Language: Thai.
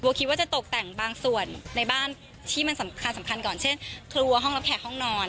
คิดว่าจะตกแต่งบางส่วนในบ้านที่มันสำคัญสำคัญก่อนเช่นครัวห้องรับแขกห้องนอน